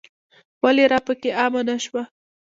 ولې راپکې عامه نه شوه.